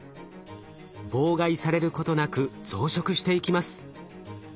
妨害されることなく増殖していきます。